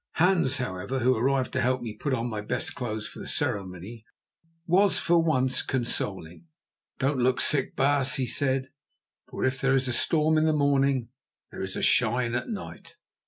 Hans, however, who arrived to help me put on my best clothes for the ceremony, was for once consoling. "Don't look sick, baas," he said, "for if there is storm in the morning, there is shine at night."